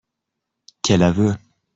Quel aveu